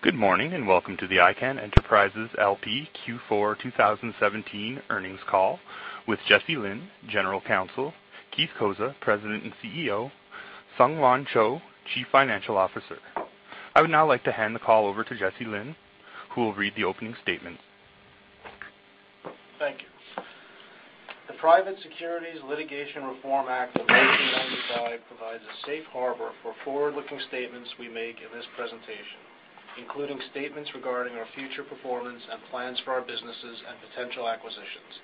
Good morning. Welcome to the Icahn Enterprises LP Q4 2017 earnings call with Jesse Lynn, General Counsel, Keith Cozza, President and CEO, SungHwan Cho, Chief Financial Officer. I would now like to hand the call over to Jesse Lynn, who will read the opening statement. Thank you. The Private Securities Litigation Reform Act of 1995 provides a safe harbor for forward-looking statements we make in this presentation, including statements regarding our future performance and plans for our businesses and potential acquisitions.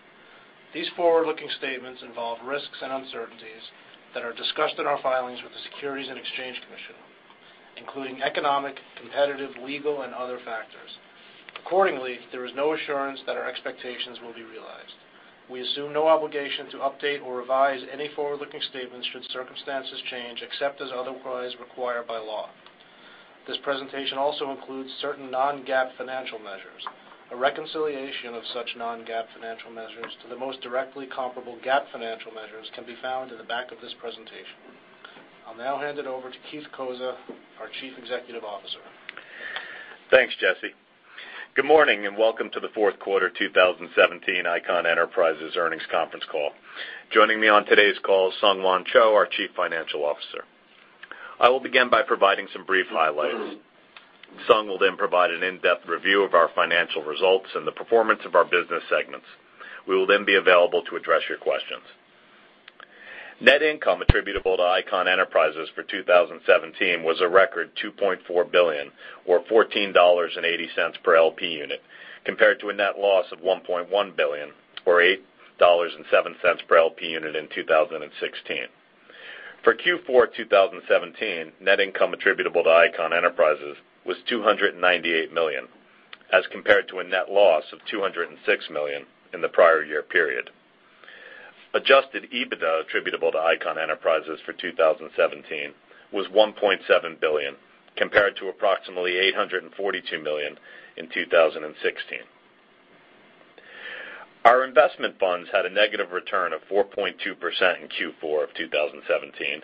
These forward-looking statements involve risks and uncertainties that are discussed in our filings with the Securities and Exchange Commission, including economic, competitive, legal, and other factors. Accordingly, there is no assurance that our expectations will be realized. We assume no obligation to update or revise any forward-looking statements should circumstances change, except as otherwise required by law. This presentation also includes certain non-GAAP financial measures. A reconciliation of such non-GAAP financial measures to the most directly comparable GAAP financial measures can be found in the back of this presentation. I'll now hand it over to Keith Cozza, our Chief Executive Officer. Thanks, Jesse. Good morning. Welcome to the fourth quarter 2017 Icahn Enterprises earnings conference call. Joining me on today's call is SungHwan Cho, our Chief Financial Officer. I will begin by providing some brief highlights. Sung will provide an in-depth review of our financial results and the performance of our business segments. We will then be available to address your questions. Net income attributable to Icahn Enterprises for 2017 was a record $2.4 billion, or $14.80 per LP unit, compared to a net loss of $1.1 billion, or $8.07 per LP unit in 2016. For Q4 2017, net income attributable to Icahn Enterprises was $298 million, as compared to a net loss of $206 million in the prior year period. Adjusted EBITDA attributable to Icahn Enterprises for 2017 was $1.7 billion, compared to approximately $842 million in 2016. Our investment funds had a negative return of 4.2% in Q4 of 2017,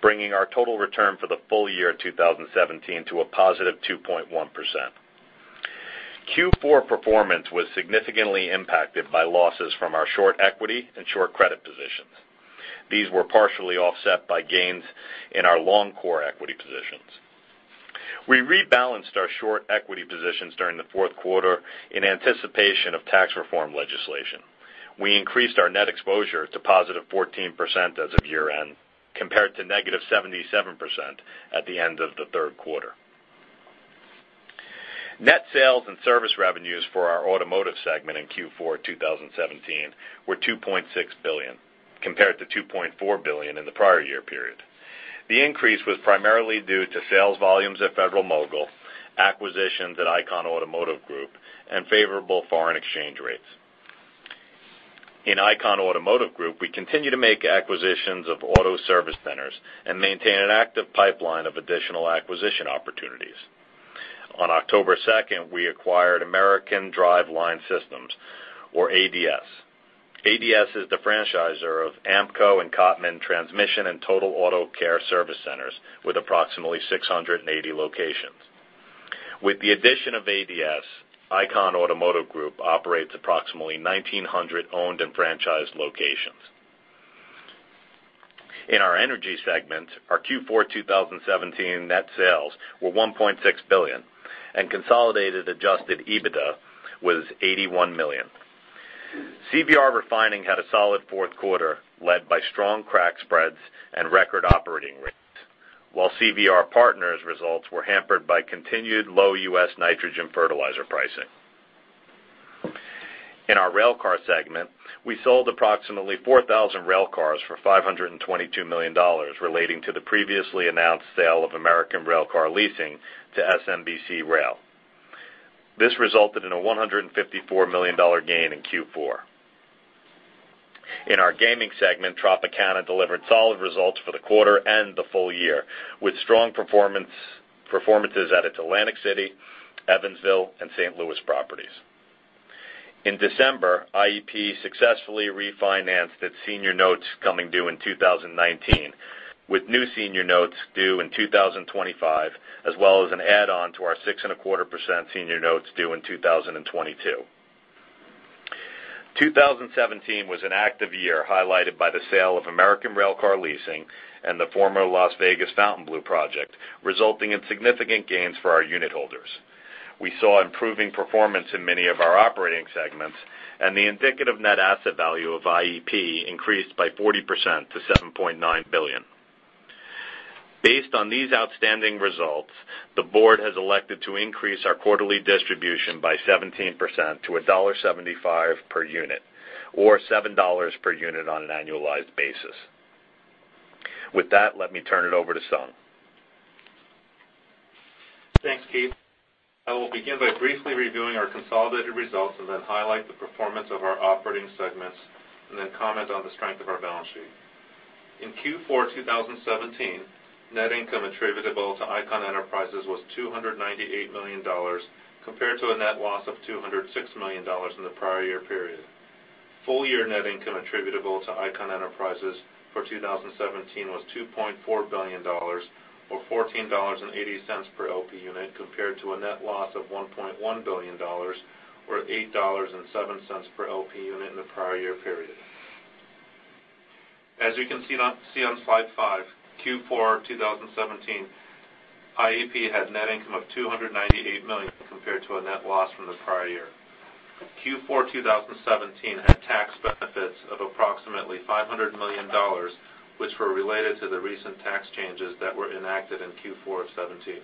bringing our total return for the full year 2017 to a positive 2.1%. Q4 performance was significantly impacted by losses from our short equity and short credit positions. These were partially offset by gains in our long core equity positions. We rebalanced our short equity positions during the fourth quarter in anticipation of tax reform legislation. We increased our net exposure to positive 14% as of year-end, compared to negative 77% at the end of the third quarter. Net sales and service revenues for our Automotive segment in Q4 2017 were $2.6 billion, compared to $2.4 billion in the prior year period. The increase was primarily due to sales volumes at Federal-Mogul, acquisitions at Icahn Automotive Group, and favorable foreign exchange rates. In Icahn Automotive Group, we continue to make acquisitions of auto service centers and maintain an active pipeline of additional acquisition opportunities. On October 2nd, we acquired American Driveline Systems or ADS. ADS is the franchisor of AAMCO and Cottman Transmission and Total Auto Care service centers, with approximately 680 locations. With the addition of ADS, Icahn Automotive Group operates approximately 1,900 owned and franchised locations. In our Energy segment, our Q4 2017 net sales were $1.6 billion, and consolidated adjusted EBITDA was $81 million. CVR Refining had a solid fourth quarter led by strong crack spreads and record operating rates. While CVR Partners results were hampered by continued low U.S. nitrogen fertilizer pricing. In our Railcar segment, we sold approximately 4,000 railcars for $522 million relating to the previously announced sale of American Railcar Leasing to SMBC Rail. This resulted in a $154 million gain in Q4. In our Gaming segment, Tropicana delivered solid results for the quarter and the full year, with strong performances at its Atlantic City, Evansville, and St. Louis properties. In December, IEP successfully refinanced its senior notes coming due in 2019, with new senior notes due in 2025, as well as an add-on to our 6.25% senior notes due in 2022. 2017 was an active year highlighted by the sale of American Railcar Leasing and the former Las Vegas Fontainebleau project, resulting in significant gains for our unit holders. We saw improving performance in many of our operating segments, and the indicative net asset value of IEP increased by 40% to $7.9 billion. Based on these outstanding results, the board has elected to increase our quarterly distribution by 17% to $1.75 per unit or $7 per unit on an annualized basis. With that, let me turn it over to Sung. Thanks, Keith. I will begin by briefly reviewing our consolidated results and then highlight the performance of our operating segments, and then comment on the strength of our balance sheet. In Q4 2017, net income attributable to Icahn Enterprises was $298 million, compared to a net loss of $206 million in the prior year period. Full year net income attributable to Icahn Enterprises for 2017 was $2.4 billion, or $14.80 per LP unit, compared to a net loss of $1.1 billion, or $8.07 per LP unit in the prior year period. As you can see on slide five, Q4 2017, IEP had net income of $298 million compared to a net loss from the prior year. Q4 2017 had tax benefits of approximately $500 million, which were related to the recent tax changes that were enacted in Q4 of '17.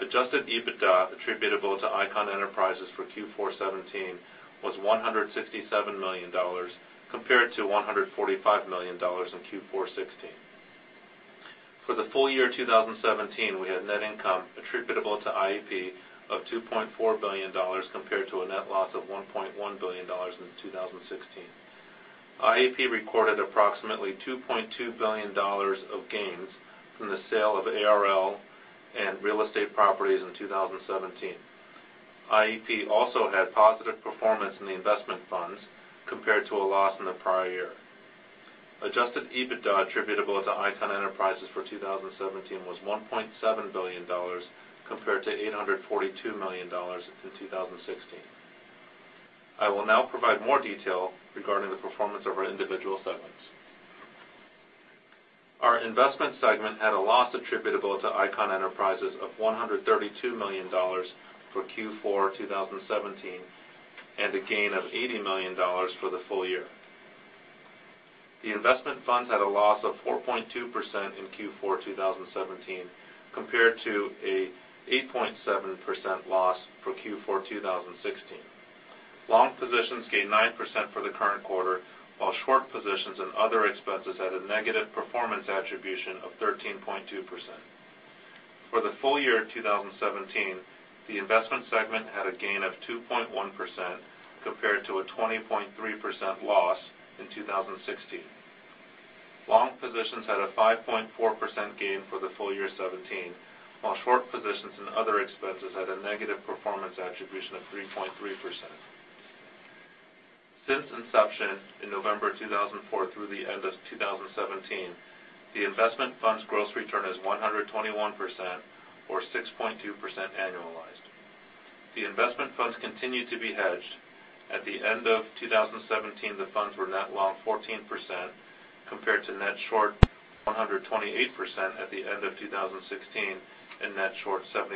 Adjusted EBITDA attributable to Icahn Enterprises for Q4 '17 was $167 million, compared to $145 million in Q4 '16. For the full year 2017, we had net income attributable to IEP of $2.4 billion compared to a net loss of $1.1 billion in 2016. IEP recorded approximately $2.2 billion of gains from the sale of ARL and real estate properties in 2017. IEP also had positive performance in the investment funds compared to a loss in the prior year. Adjusted EBITDA attributable to Icahn Enterprises for 2017 was $1.7 billion, compared to $842 million in 2016. I will now provide more detail regarding the performance of our individual segments. Our Investment segment had a loss attributable to Icahn Enterprises of $132 million for Q4 2017, and a gain of $80 million for the full year. The investment funds had a loss of 4.2% in Q4 2017, compared to an 8.7% loss for Q4 2016. Long positions gained 9% for the current quarter, while short positions and other expenses had a negative performance attribution of 13.2%. For the full year 2017, the investment segment had a gain of 2.1%, compared to a 20.3% loss in 2016. Long positions had a 5.4% gain for the full year 2017, while short positions and other expenses had a negative performance attribution of 3.3%. Since inception in November 2004 through the end of 2017, the investment fund's gross return is 121%, or 6.2% annualized. The investment funds continue to be hedged. At the end of 2017, the funds were net long 14%, compared to net short 128% at the end of 2016, and net short 77%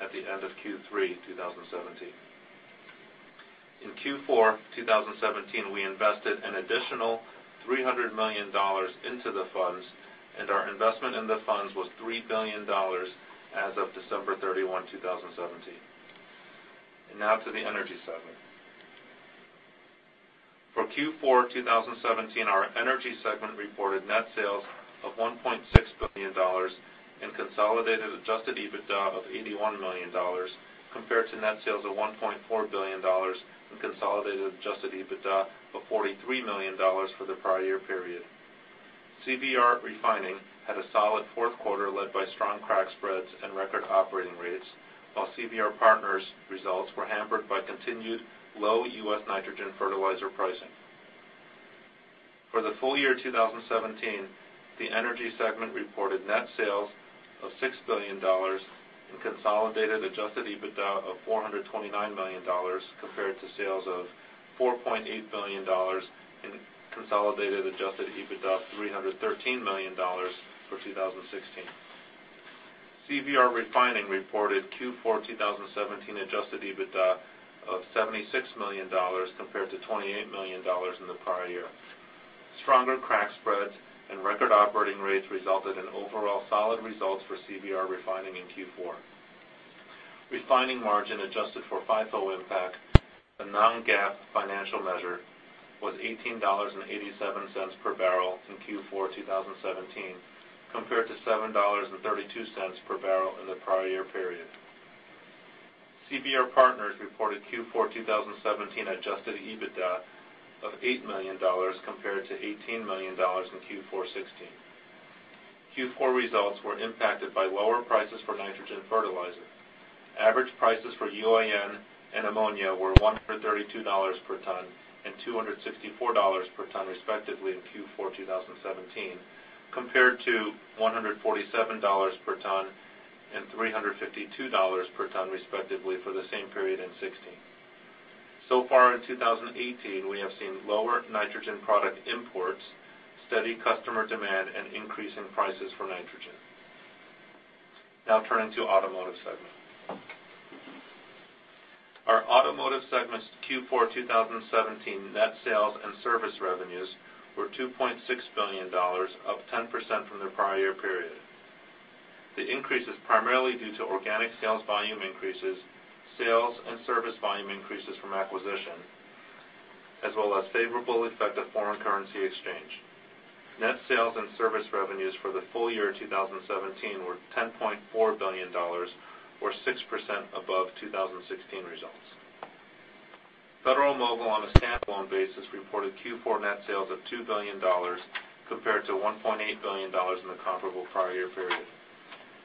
at the end of Q3 2017. In Q4 2017, we invested an additional $300 million into the funds, and our investment in the funds was $3 billion as of December 31, 2017. Now to the energy segment. For Q4 2017, our energy segment reported net sales of $1.6 billion and consolidated adjusted EBITDA of $81 million, compared to net sales of $1.4 billion in consolidated adjusted EBITDA of $43 million for the prior year period. CVR Refining had a solid fourth quarter led by strong crack spreads and record operating rates, while CVR Partners results were hampered by continued low U.S. nitrogen fertilizer pricing. For the full year 2017, the energy segment reported net sales of $6 billion and consolidated adjusted EBITDA of $429 million, compared to sales of $4.8 billion in consolidated adjusted EBITDA of $313 million for 2016. CVR Refining reported Q4 2017 adjusted EBITDA of $76 million compared to $28 million in the prior year. Stronger crack spreads and record operating rates resulted in overall solid results for CVR Refining in Q4. Refining margin adjusted for FIFO impact, a non-GAAP financial measure, was $18.87 per barrel in Q4 2017 compared to $7.32 per barrel in the prior year period. CVR Partners reported Q4 2017 adjusted EBITDA of $8 million compared to $18 million in Q4 2016. Q4 results were impacted by lower prices for nitrogen fertilizer. Average prices for UAN and ammonia were $132 per ton and $264 per ton respectively in Q4 2017, compared to $147 per ton and $352 per ton respectively for the same period in 2016. Far in 2018, we have seen lower nitrogen product imports, steady customer demand, and increase in prices for nitrogen. Turning to automotive segment. Our automotive segment's Q4 2017 net sales and service revenues were $2.6 billion, up 10% from the prior year period. The increase is primarily due to organic sales volume increases, sales and service volume increases from acquisition, as well as favorable effect of foreign currency exchange. Net sales and service revenues for the full year 2017 were $10.4 billion, or 6% above 2016 results. Federal-Mogul on a standalone basis reported Q4 net sales of $2 billion compared to $1.8 billion in the comparable prior year period.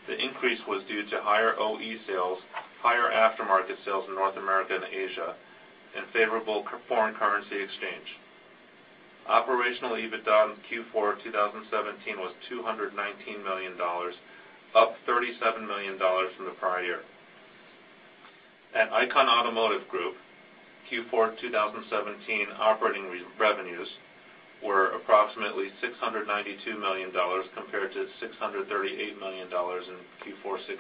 The increase was due to higher OE sales, higher aftermarket sales in North America and Asia, and favorable foreign currency exchange. Operational EBITDA in Q4 2017 was $219 million, up $37 million from the prior year. At Icahn Automotive Group, Q4 2017 operating revenues were approximately $692 million compared to $638 million in Q4 2016.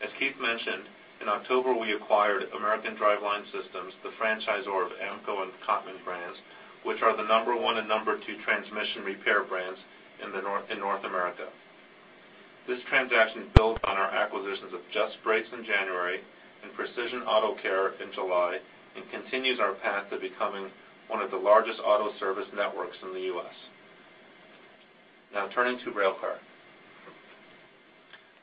As Keith mentioned, in October, we acquired American Driveline Systems, the franchisor of AAMCO and Cottman brands, which are the number one and number two transmission repair brands in North America. This transaction builds on our acquisitions of Just Brakes in January and Precision Auto Care in July and continues our path to becoming one of the largest auto service networks in the U.S. Now turning to Railcar.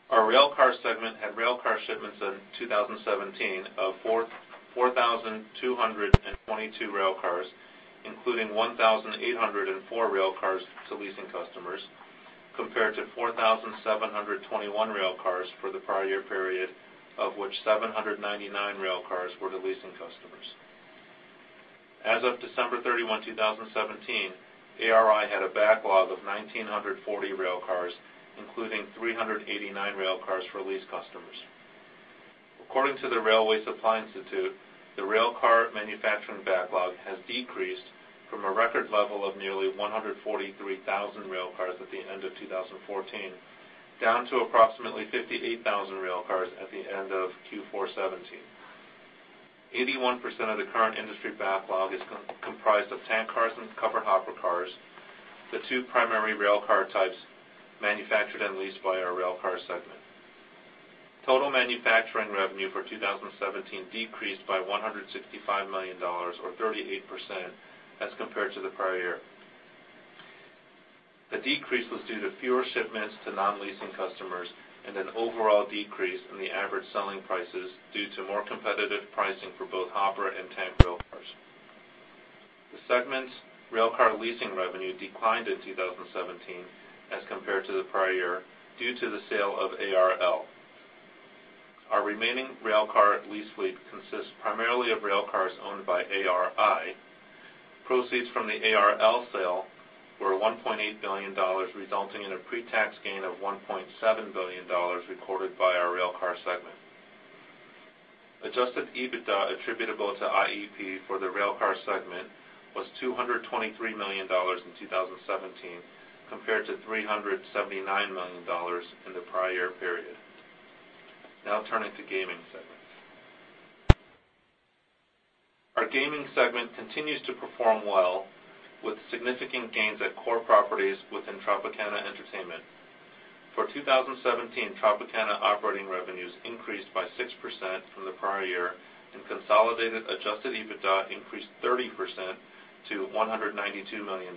Our Railcar segment had railcar shipments in 2017 of 4,222 railcars, including 1,804 railcars to leasing customers, compared to 4,721 railcars for the prior year period, of which 799 railcars were to leasing customers. As of December 31, 2017, ARI had a backlog of 1,940 railcars, including 389 railcars for lease customers. According to the Railway Supply Institute, the railcar manufacturing backlog has decreased from a record level of nearly 143,000 railcars at the end of 2014 down to approximately 58,000 railcars at the end of Q4 2017. 81% of the current industry backlog is comprised of tank cars and covered hopper cars, the two primary railcar types manufactured and leased by our Railcar segment. Total manufacturing revenue for 2017 decreased by $165 million, or 38%, as compared to the prior year. The decrease was due to fewer shipments to non-leasing customers and an overall decrease in the average selling prices due to more competitive pricing for both hopper and tank railcars. The segment's railcar leasing revenue declined in 2017 as compared to the prior year due to the sale of ARL. Our remaining railcar lease fleet consists primarily of railcars owned by ARI. Proceeds from the ARL sale were $1.8 billion, resulting in a pre-tax gain of $1.7 billion recorded by our Railcar segment. Adjusted EBITDA attributable to IEP for the Railcar segment was $223 million in 2017, compared to $379 million in the prior year period. Now turning to Gaming segment. Our Gaming segment continues to perform well with significant gains at core properties within Tropicana Entertainment. For 2017, Tropicana operating revenues increased by 6% from the prior year, and consolidated adjusted EBITDA increased 30% to $192 million.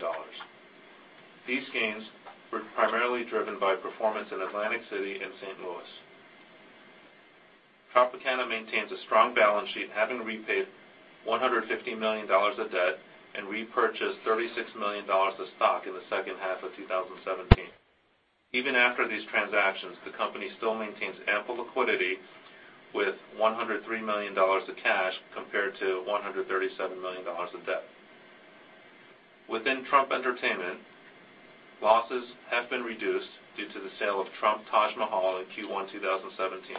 These gains were primarily driven by performance in Atlantic City and St. Louis. Tropicana maintains a strong balance sheet, having repaid $150 million of debt and repurchased $36 million of stock in the second half of 2017. Even after these transactions, the company still maintains ample liquidity with $103 million of cash, compared to $137 million of debt. Within Trump Entertainment, losses have been reduced due to the sale of Trump Taj Mahal in Q1 2017.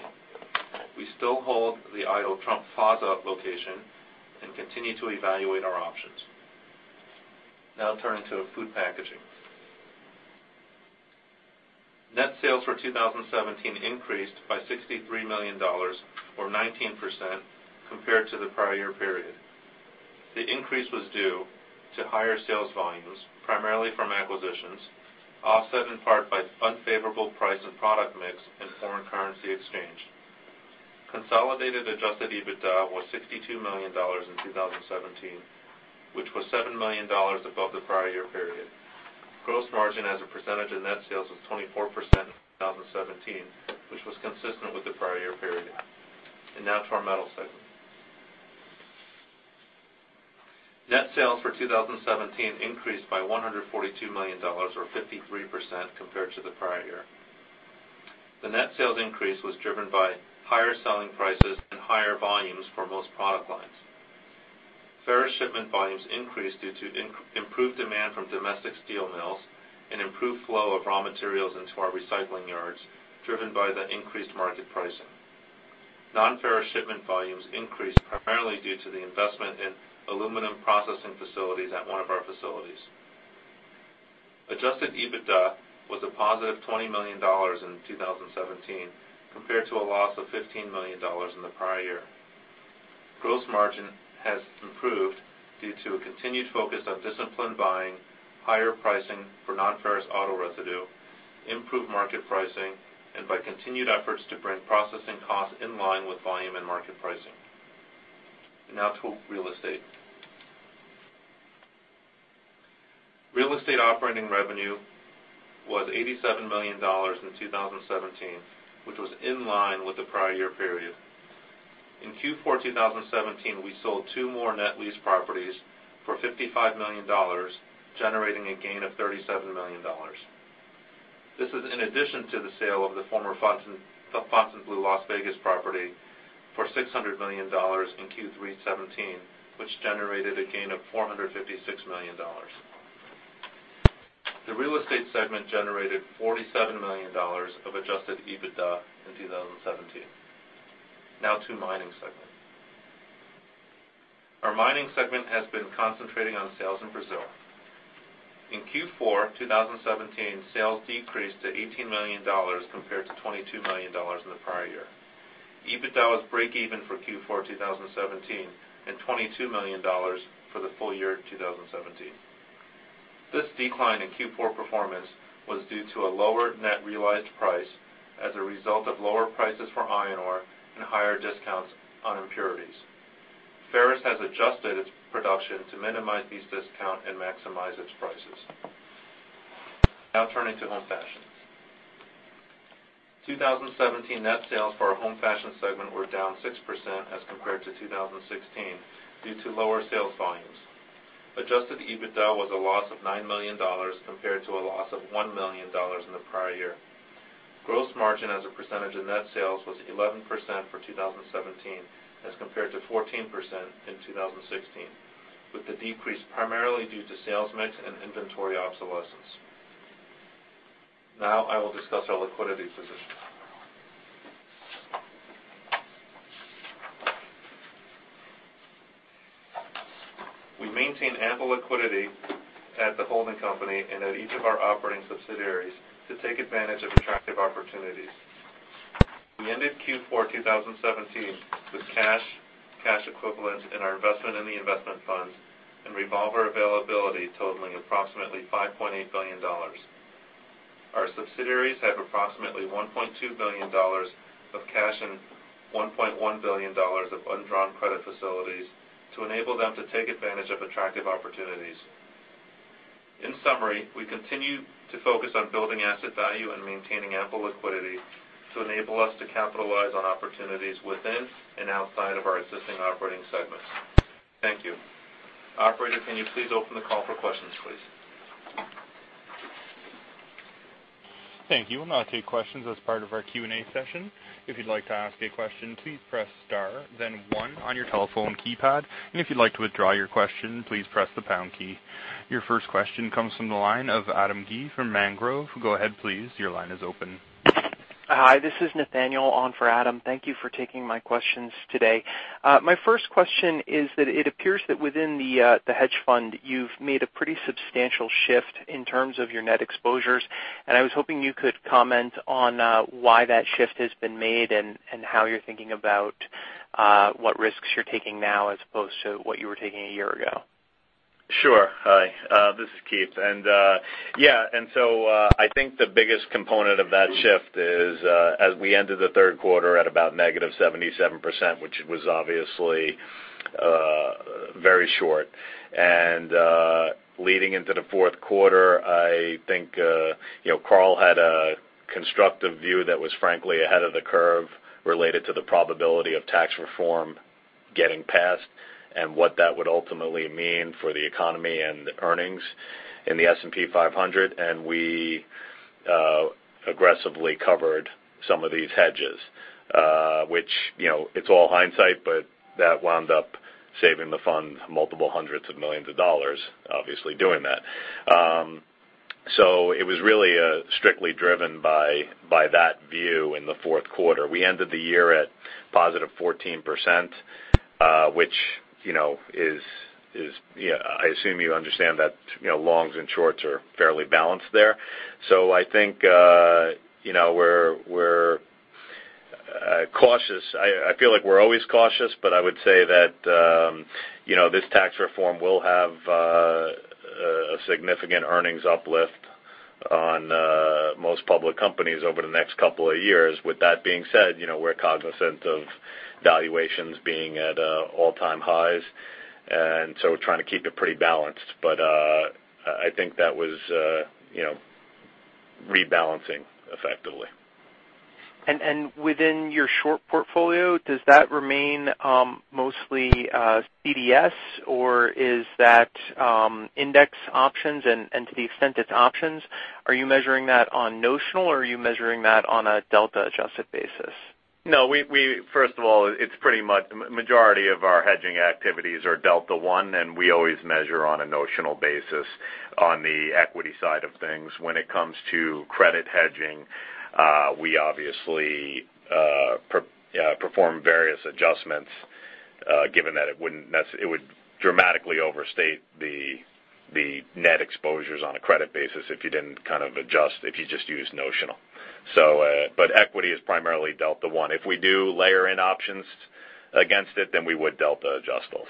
We still hold the idle Trump Plaza location and continue to evaluate our options. Now turning to Food Packaging. Net sales for 2017 increased by $63 million, or 19%, compared to the prior year period. The increase was due to higher sales volumes, primarily from acquisitions, offset in part by unfavorable price and product mix and foreign currency exchange. Consolidated adjusted EBITDA was $62 million in 2017, which was $7 million above the prior year period. Gross margin as a percentage of net sales was 24% in 2017, which was consistent with the prior year period. Now to our Metals segment. Net sales for 2017 increased by $142 million, or 53%, compared to the prior year. The net sales increase was driven by higher selling prices and higher volumes for most product lines. Ferrous shipment volumes increased due to improved demand from domestic steel mills and improved flow of raw materials into our recycling yards, driven by the increased market pricing. Non-ferrous shipment volumes increased primarily due to the investment in aluminum processing facilities at one of our facilities. Adjusted EBITDA was a positive $20 million in 2017, compared to a loss of $15 million in the prior year. Gross margin has improved due to a continued focus on disciplined buying, higher pricing for non-ferrous auto residue, improved market pricing, and by continued efforts to bring processing costs in line with volume and market pricing. Now to Real Estate. Real Estate operating revenue was $87 million in 2017, which was in line with the prior year period. In Q4 2017, we sold two more net lease properties for $55 million, generating a gain of $37 million. This is in addition to the sale of the former Fontainebleau Las Vegas property for $600 million in Q3 2017, which generated a gain of $456 million. The Real Estate segment generated $47 million of adjusted EBITDA in 2017. Now to Mining Segment. Our Mining Segment has been concentrating on sales in Brazil. In Q4 2017, sales decreased to $18 million compared to $22 million in the prior year. EBITDA was breakeven for Q4 2017, and $22 million for the full year 2017. This decline in Q4 performance was due to a lower net realized price as a result of lower prices for iron ore and higher discounts on impurities. Ferrous has adjusted its production to minimize these discount and maximize its prices. Now turning to Home Fashion. 2017 net sales for our Home Fashion segment were down 6% as compared to 2016 due to lower sales volumes. Adjusted EBITDA was a loss of $9 million compared to a loss of $1 million in the prior year. Gross margin as a percentage of net sales was 11% for 2017 as compared to 14% in 2016, with the decrease primarily due to sales mix and inventory obsolescence. Now I will discuss our liquidity position. We maintain ample liquidity at the holding company and at each of our operating subsidiaries to take advantage of attractive opportunities. We ended Q4 2017 with cash equivalents in our investment in the investment funds, and revolver availability totaling approximately $5.8 billion. Our subsidiaries have approximately $1.2 billion of cash and $1.1 billion of undrawn credit facilities to enable them to take advantage of attractive opportunities. In summary, we continue to focus on building asset value and maintaining ample liquidity to enable us to capitalize on opportunities within and outside of our existing operating segments. Thank you. Operator, can you please open the call for questions, please? Thank you. We'll now take questions as part of our Q&A session. If you'd like to ask a question, please press star then one on your telephone keypad, and if you'd like to withdraw your question, please press the pound key. Your first question comes from the line of Adam Gui from Mangrove Partners. Go ahead please, your line is open. Hi, this is Nathaniel on for Adam. Thank you for taking my questions today. My first question is that it appears that within the hedge fund, you've made a pretty substantial shift in terms of your net exposures. I was hoping you could comment on why that shift has been made and how you're thinking about what risks you're taking now as opposed to what you were taking a year ago. Sure. Hi. This is Keith. Yeah. I think the biggest component of that shift is as we ended the third quarter at about negative 77%, which was obviously very short. Leading into the fourth quarter, I think Carl had a constructive view that was frankly ahead of the curve related to the probability of tax reform getting passed and what that would ultimately mean for the economy and earnings in the S&P 500. We aggressively covered some of these hedges which, it's all hindsight, but that wound up saving the fund multiple hundreds of millions of dollars, obviously doing that. It was really strictly driven by that view in the fourth quarter. We ended the year at positive 14%, which I assume you understand that longs and shorts are fairly balanced there. I think we're cautious. I feel like we're always cautious. I would say that this tax reform will have a significant earnings uplift on most public companies over the next couple of years. With that being said, we're cognizant of valuations being at all-time highs, trying to keep it pretty balanced. I think that was rebalancing effectively. Within your short portfolio, does that remain mostly CDS, or is that index options? To the extent it's options, are you measuring that on notional, or are you measuring that on a delta adjusted basis? No. First of all, majority of our hedging activities are delta one, and we always measure on a notional basis on the equity side of things. When it comes to credit hedging, we obviously perform various adjustments given that it would dramatically overstate the net exposures on a credit basis if you didn't kind of adjust, if you just used notional. Equity is primarily delta one. If we do layer in options against it, then we would delta adjust those.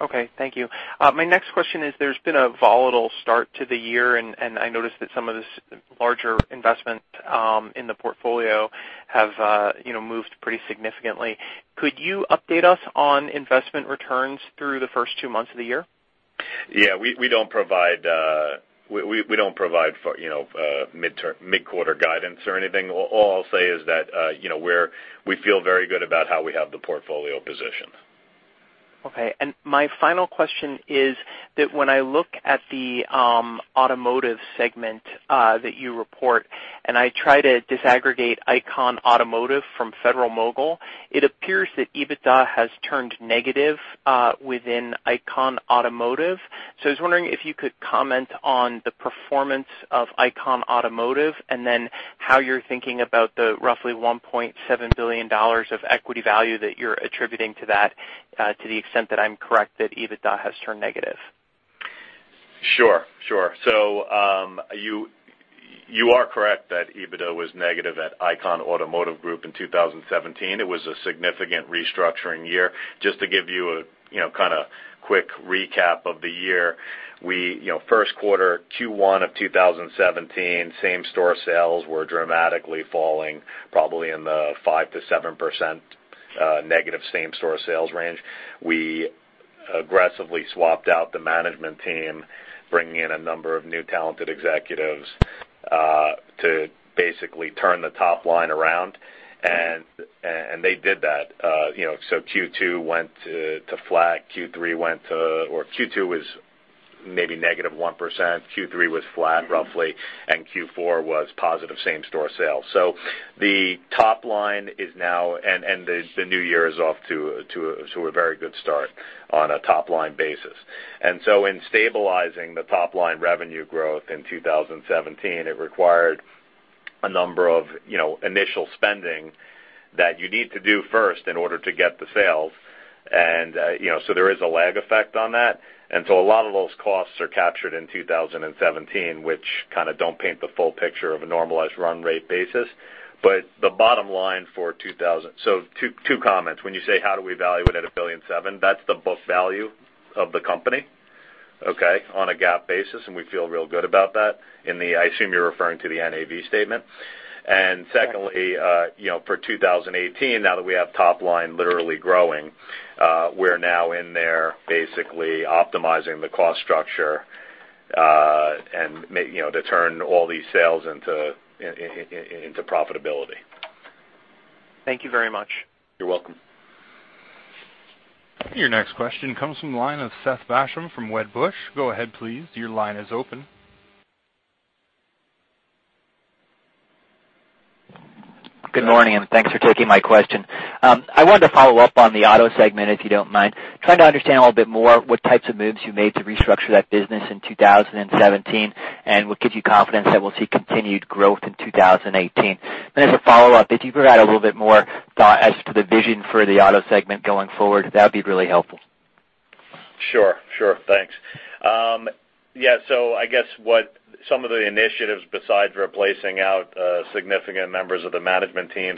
Okay, thank you. My next question is there's been a volatile start to the year, and I noticed that some of the larger investment in the portfolio have moved pretty significantly. Could you update us on investment returns through the first two months of the year? Yeah, we don't provide mid-quarter guidance or anything. All I'll say is that we feel very good about how we have the portfolio positioned. My final question is that when I look at the automotive segment that you report, and I try to disaggregate Icahn Automotive from Federal-Mogul, it appears that EBITDA has turned negative within Icahn Automotive. I was wondering if you could comment on the performance of Icahn Automotive, and then how you're thinking about the roughly $1.7 billion of equity value that you're attributing to that, to the extent that I'm correct, that EBITDA has turned negative. Sure. You are correct that EBITDA was negative at Icahn Automotive Group in 2017. It was a significant restructuring year. Just to give you a kind of quick recap of the year. First quarter, Q1 of 2017, same-store sales were dramatically falling, probably in the 5%-7% negative same-store sales range. We aggressively swapped out the management team, bringing in a number of new talented executives to basically turn the top line around, and they did that. Q2 went to flat. Q2 was maybe -1%, Q3 was flat roughly, and Q4 was positive same-store sales. The new year is off to a very good start on a top-line basis. In stabilizing the top-line revenue growth in 2017, it required a number of initial spending that you need to do first in order to get the sales. There is a lag effect on that. A lot of those costs are captured in 2017, which kind of don't paint the full picture of a normalized run rate basis. Two comments. When you say how do we value it at a $1.7 billion, that's the book value of the company, okay, on a GAAP basis, and we feel real good about that, and I assume you're referring to the NAV statement. Secondly, for 2018, now that we have top line literally growing, we're now in there basically optimizing the cost structure to turn all these sales into profitability. Thank you very much. You're welcome. Your next question comes from the line of Seth Basham from Wedbush. Go ahead, please. Your line is open. Good morning, and thanks for taking my question. I wanted to follow up on the auto segment, if you don't mind. Trying to understand a little bit more what types of moves you made to restructure that business in 2017, and what gives you confidence that we'll see continued growth in 2018. As a follow-up, if you could add a little bit more thought as to the vision for the auto segment going forward, that would be really helpful. Sure. Thanks. Yeah. I guess what some of the initiatives besides replacing out significant members of the management team,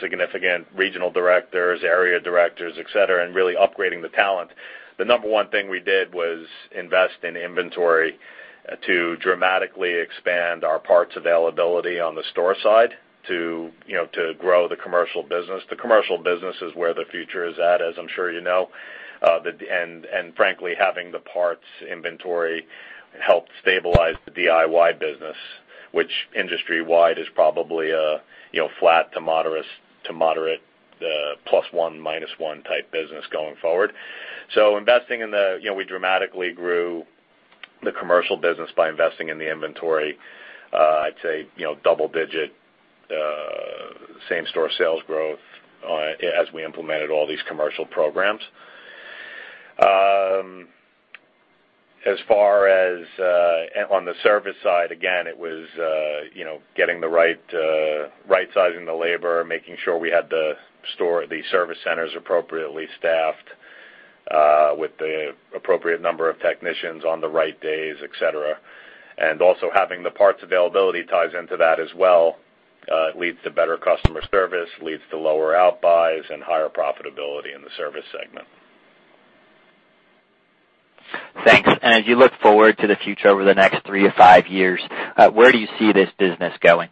significant regional directors, area directors, et cetera, and really upgrading the talent, the number one thing we did was invest in inventory to dramatically expand our parts availability on the store side to grow the commercial business. The commercial business is where the future is at, as I'm sure you know. Frankly, having the parts inventory helped stabilize the DIY business, which industry-wide is probably a flat to moderate plus 1, minus 1 type business going forward. We dramatically grew the commercial business by investing in the inventory, I'd say, double-digit same-store sales growth as we implemented all these commercial programs. As far as on the service side, again, it was right-sizing the labor, making sure we had the service centers appropriately staffed with the appropriate number of technicians on the right days, et cetera. Also having the parts availability ties into that as well. It leads to better customer service, leads to lower out buys and higher profitability in the service segment. Thanks. As you look forward to the future over the next three to five years, where do you see this business going?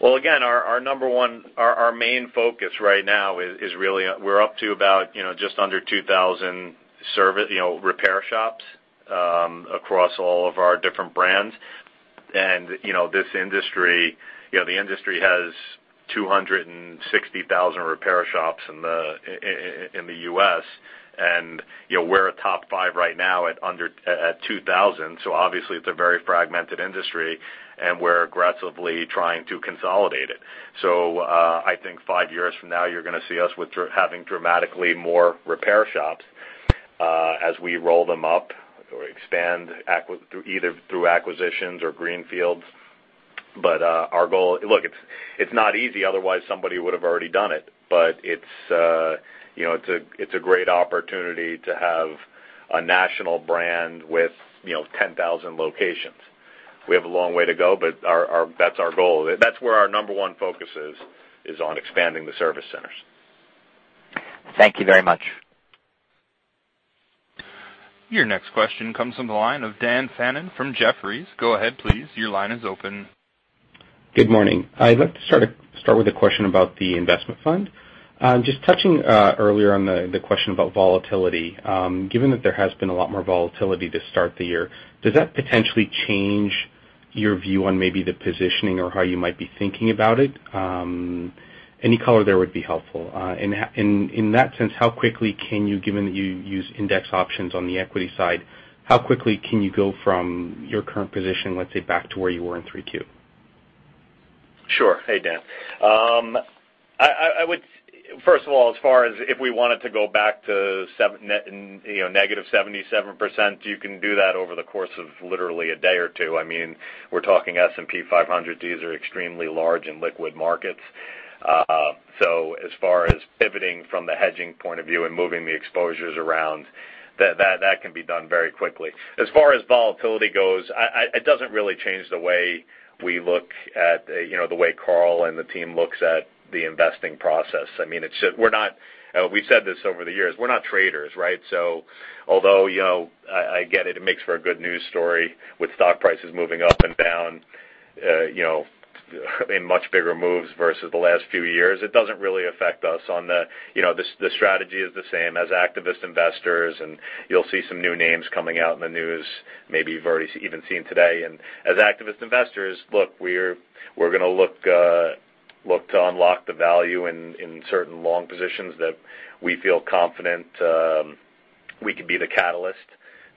Well, again, our main focus right now is really we're up to about just under 2,000 repair shops across all of our different brands. The industry has 260,000 repair shops in the U.S., and we're a top five right now at 2,000. Obviously it's a very fragmented industry, and we're aggressively trying to consolidate it. I think five years from now, you're going to see us with having dramatically more repair shops as we roll them up or expand either through acquisitions or greenfields. Look, it's not easy, otherwise somebody would have already done it. It's a great opportunity to have a national brand with 10,000 locations. We have a long way to go, but that's our goal. That's where our number one focus is on expanding the service centers. Thank you very much. Your next question comes from the line of Dan Fannon from Jefferies. Go ahead, please. Your line is open. Good morning. I'd like to start with a question about the investment fund. Just touching earlier on the question about volatility. Given that there has been a lot more volatility to start the year, does that potentially change your view on maybe the positioning or how you might be thinking about it? Any color there would be helpful. In that sense, how quickly can you, given that you use index options on the equity side, how quickly can you go from your current position, let's say, back to where you were in Q3? Sure. Hey, Dan. First of all, as far as if we wanted to go back to negative 77%, you can do that over the course of literally a day or two. We're talking S&P 500. These are extremely large and liquid markets. As far as pivoting from the hedging point of view and moving the exposures around, that can be done very quickly. As far as volatility goes, it doesn't really change the way Carl and the team looks at the investing process. We've said this over the years, we're not traders, right? Although, I get it makes for a good news story with stock prices moving up and down in much bigger moves versus the last few years, it doesn't really affect us. The strategy is the same as activist investors, you'll see some new names coming out in the news, maybe you've already even seen today. As activist investors, look, we're going to look to unlock the value in certain long positions that we feel confident we could be the catalyst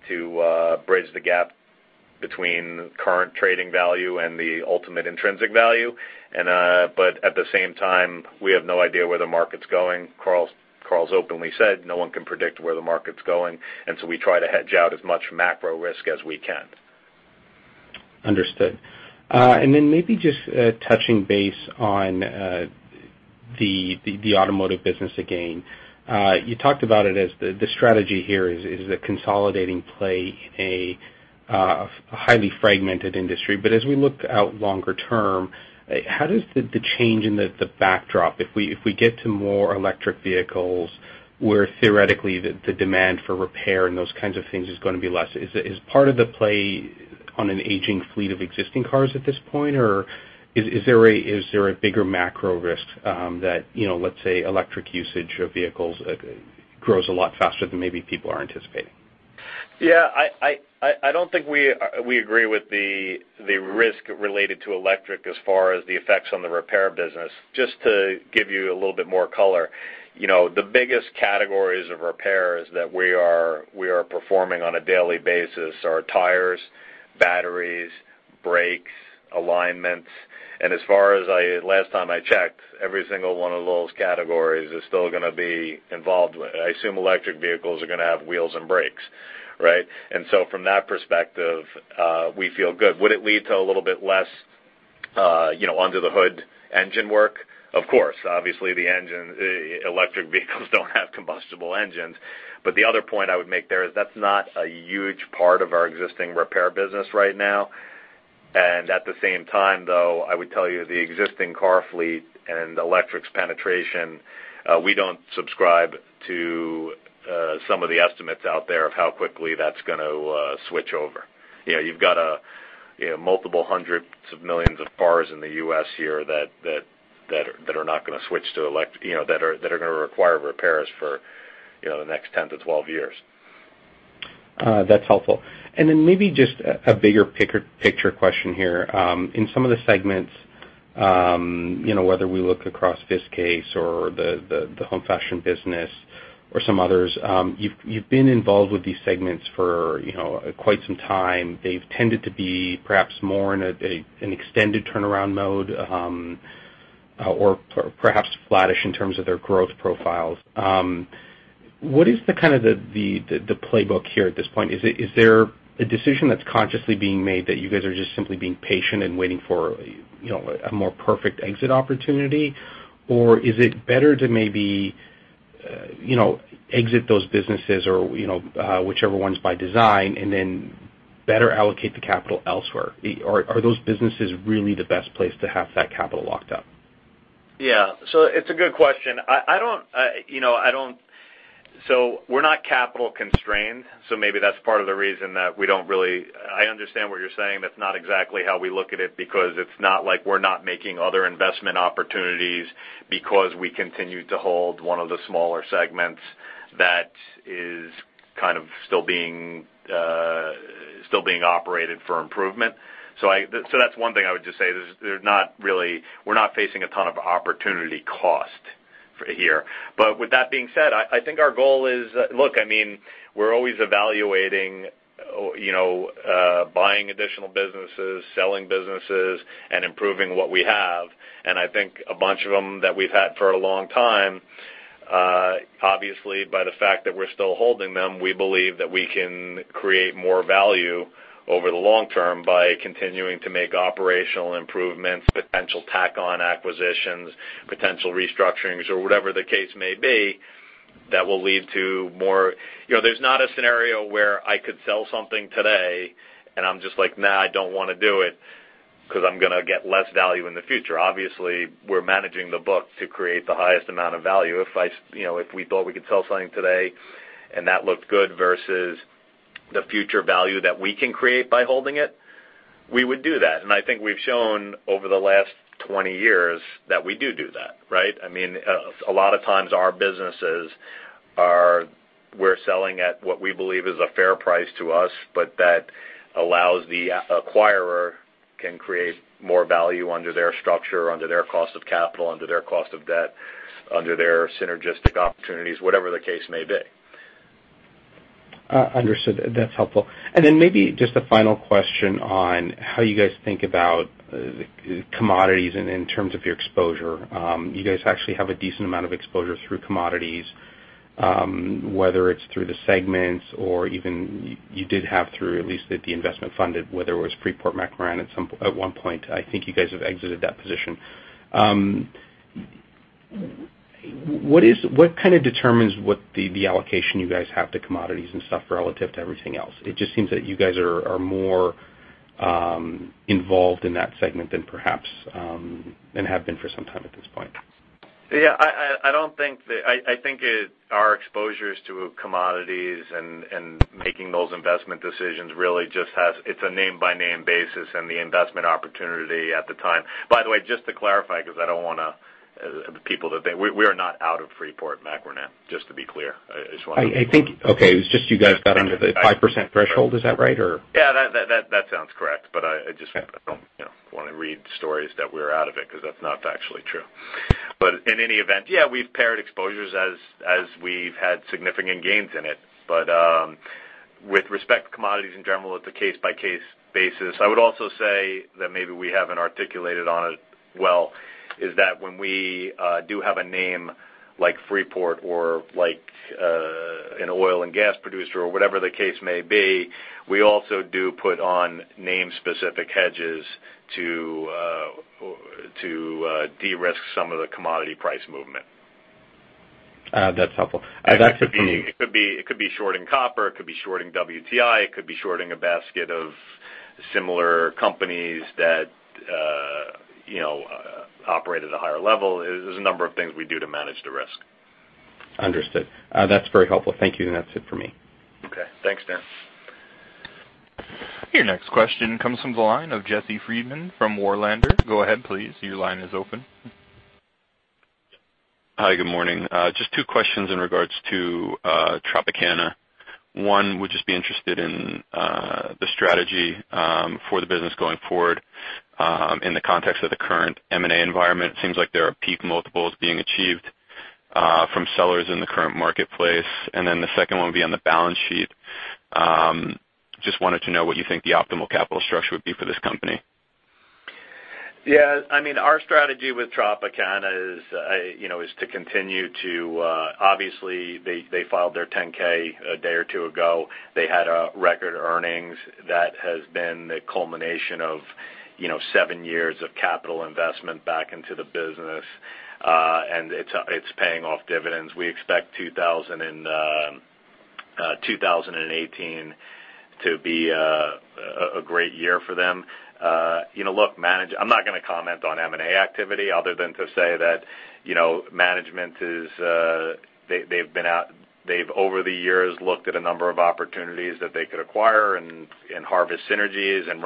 to bridge the gap between current trading value and the ultimate intrinsic value. At the same time, we have no idea where the market's going. Carl's openly said, no one can predict where the market's going, we try to hedge out as much macro risk as we can. Understood. Maybe just touching base on the automotive business again. You talked about it as the strategy here is a consolidating play in a highly fragmented industry. As we look out longer term, how does the change in the backdrop, if we get to more electric vehicles, where theoretically the demand for repair and those kinds of things is going to be less, is part of the play on an aging fleet of existing cars at this point? Or is there a bigger macro risk that, let's say, electric usage of vehicles grows a lot faster than maybe people are anticipating? Yeah. I don't think we agree with the risk related to electric as far as the effects on the repair business. Just to give you a little bit more color. The biggest categories of repairs that we are performing on a daily basis are tires, batteries, brakes, alignments. As far as last time I checked, every single one of those categories is still going to be involved with I assume electric vehicles are going to have wheels and brakes, right? From that perspective, we feel good. Would it lead to a little bit less under the hood engine work? Of course. Obviously, the electric vehicles don't have combustible engines. The other point I would make there is that's not a huge part of our existing repair business right now. At the same time, though, I would tell you, the existing car fleet and electric's penetration, we don't subscribe to some of the estimates out there of how quickly that's going to switch over. You've got multiple hundreds of millions of cars in the U.S. here that are going to require repairs for the next 10-12 years. That's helpful. Maybe just a bigger picture question here. In some of the segments, whether we look across Viskase or the Home Fashion business or some others, you've been involved with these segments for quite some time. They've tended to be perhaps more in an extended turnaround mode or perhaps flattish in terms of their growth profiles. What is the playbook here at this point? Is there a decision that's consciously being made that you guys are just simply being patient and waiting for a more perfect exit opportunity? Or is it better to maybe exit those businesses or whichever ones by design and then better allocate the capital elsewhere? Are those businesses really the best place to have that capital locked up? Yeah. It's a good question. We're not capital constrained, so maybe that's part of the reason that we don't really. I understand what you're saying. That's not exactly how we look at it, because it's not like we're not making other investment opportunities because we continue to hold one of the smaller segments that is kind of still being operated for improvement. That's one thing I would just say, we're not facing a ton of opportunity cost here. With that being said, I think our goal is, look, we're always evaluating buying additional businesses, selling businesses, and improving what we have. I think a bunch of them that we've had for a long time, obviously, by the fact that we're still holding them, we believe that we can create more value over the long term by continuing to make operational improvements, potential tack on acquisitions, potential restructurings, or whatever the case may be that will lead to more. There's not a scenario where I could sell something today and I'm just like, "Nah, I don't want to do it because I'm going to get less value in the future." Obviously, we're managing the book to create the highest amount of value. If we thought we could sell something today and that looked good versus the future value that we can create by holding it, we would do that. I think we've shown over the last 20 years that we do that, right? A lot of times, our businesses are, we're selling at what we believe is a fair price to us, but that allows the acquirer can create more value under their structure, under their cost of capital, under their cost of debt, under their synergistic opportunities, whatever the case may be. Understood. That's helpful. Then maybe just a final question on how you guys think about commodities in terms of your exposure. You guys actually have a decent amount of exposure through commodities, whether it's through the segments or even you did have through at least the investment funded, whether it was Freeport-McMoRan at one point. I think you guys have exited that position. What kind of determines what the allocation you guys have to commodities and stuff relative to everything else? It just seems that you guys are more involved in that segment than perhaps, and have been for some time at this point. Yeah. I think our exposures to commodities and making those investment decisions really just it's a name-by-name basis and the investment opportunity at the time. By the way, just to clarify, because I don't want people to think, we are not out of Freeport-McMoRan, just to be clear. I think Okay, it was just you guys got under the 5% threshold. Is that right, or? Yeah, that sounds correct. Okay don't want to read stories that we're out of it, because that's not actually true. In any event, yeah, we've paired exposures as we've had significant gains in it. With respect to commodities in general, it's a case-by-case basis. I would also say that maybe we haven't articulated on it well, is that when we do have a name like Freeport or an oil and gas producer or whatever the case may be, we also do put on name-specific hedges to de-risk some of the commodity price movement. That's helpful. It could be shorting copper, it could be shorting WTI, it could be shorting a basket of similar companies that operate at a higher level. There's a number of things we do to manage the risk. Understood. That's very helpful. Thank you. That's it for me. Okay. Thanks, Dan. Your next question comes from the line of Jesse Freedman from Warlander. Go ahead, please. Your line is open. Hi. Good morning. Just two questions in regards to Tropicana. One would just be interested in the strategy for the business going forward, in the context of the current M&A environment. It seems like there are peak multiples being achieved from sellers in the current marketplace. Then the second one would be on the balance sheet. Just wanted to know what you think the optimal capital structure would be for this company. Yeah. Our strategy with Tropicana is to continue, obviously, they filed their 10-K a day or two ago. They had record earnings. That has been the culmination of seven years of capital investment back into the business. It's paying off dividends. We expect 2018 to be a great year for them. Look, I'm not going to comment on M&A activity other than to say that management, they've over the years looked at a number of opportunities that they could acquire and harvest synergies and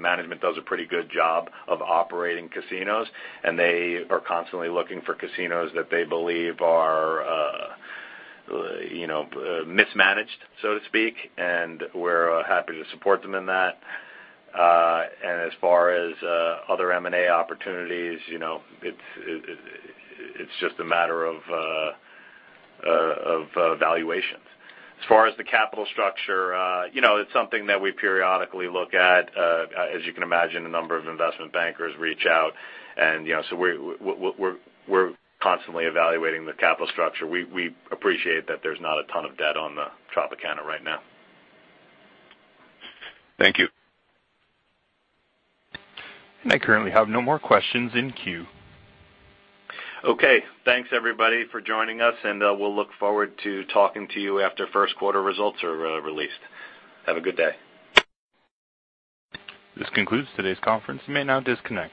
management does a pretty good job of operating casinos, and they are constantly looking for casinos that they believe are mismanaged, so to speak, and we're happy to support them in that. As far as other M&A opportunities, it's just a matter of valuations. As far as the capital structure, it's something that we periodically look at. As you can imagine, a number of investment bankers reach out, and so we're constantly evaluating the capital structure. We appreciate that there's not a ton of debt on Tropicana right now. Thank you. I currently have no more questions in queue. Okay. Thanks everybody for joining us, we'll look forward to talking to you after first quarter results are released. Have a good day. This concludes today's conference. You may now disconnect.